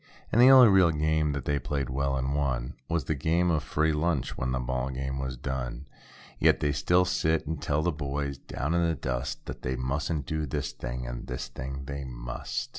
And the only real game that diey played well and won. Was the game of "free lunch" when the ball game was done. Yet, they still sit and tell the boys down in the dust. That they mustn't do this thing, and this thing they must.